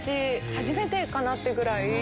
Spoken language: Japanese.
初めてかなってぐらい。